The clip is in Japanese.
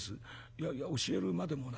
「いやいや教えるまでもない。